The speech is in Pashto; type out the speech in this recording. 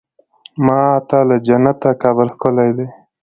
ما ته له جنته کابل ښکلی دی.